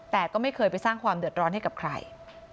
แต่ก็ไม่เคยไปสร้างความเดือดร้อนให้กับใคร